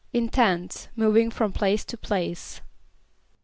=In tents, moving from place to place.